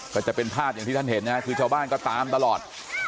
ก็จะเป็นภาพอย่างที่ท่านเห็นนะฮะคือชาวบ้านก็ตามตลอด